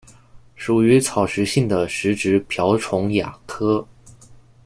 属于草食性的食植瓢虫亚科。